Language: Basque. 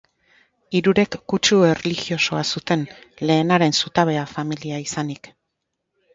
Hirurek kutsu erlijiosoa zuten, lehenaren zutabea familia izanik.